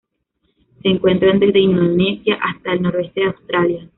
Se encuentran desde Indonesia hasta el noroeste de Australia.